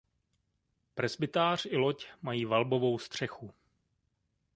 Presbytář i loď mají valbovou střechu.